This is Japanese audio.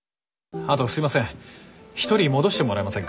あとすいません